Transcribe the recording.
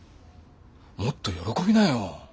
もっと喜びなよ。